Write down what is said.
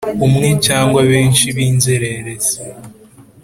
umwe cyangwa benshi b inzererezi